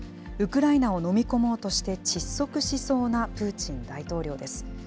ウクライナを飲み込もうとして窒息しそうなプーチン大統領です。